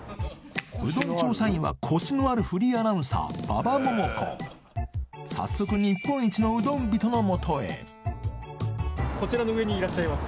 うどん調査員はコシのあるフリーアナウンサー馬場ももこ早速日本一のうどん人のもとへこちらの上にいらっしゃいます。